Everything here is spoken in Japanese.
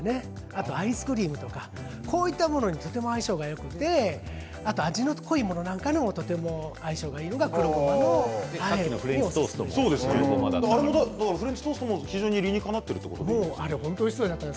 あとアイスクリームとかこういったものにとても相性がよくてあと味の濃いものなんかにもとても相性がいいのがさっきのフレンチトーストも黒ごまだった。